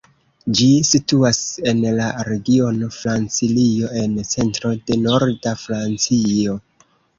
Ĝi situas en la regiono Francilio en centro de norda Francio.